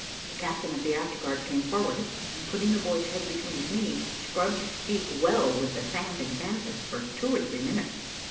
The captain of the afterguard came forward, and putting the boy's head between his knees, scrubbed his teeth well with the sand and canvas for two or three minutes.